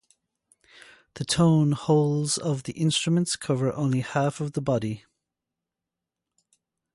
The tone holes of the instruments cover only half of the body.